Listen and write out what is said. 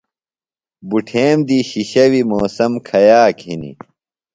بُٹھیم دی شِشیویۡ موسم کھیاک ہِنیۡ؟